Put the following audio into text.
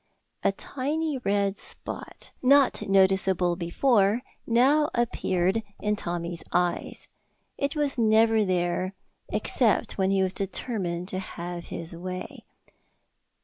A tiny red spot, not noticeable before, now appeared in Tommy's eyes. It was never there except when he was determined to have his way.